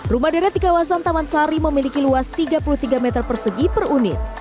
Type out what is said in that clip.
rumah deret di kawasan taman sari memiliki luas tiga puluh tiga meter persegi per unit